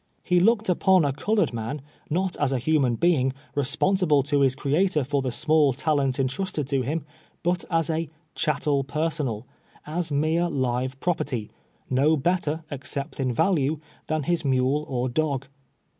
He looked upon a col ored man, not as a human being, responsible to his Crea tor for the small talent entrusted to him, but as a " chat tel personal," as mere live property, no better, except in value, than his mule or dog.